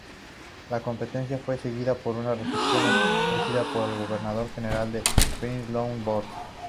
La competencia fue seguida por una recepción ofrecida por el Gobernador General, Pierre-Louis Borde.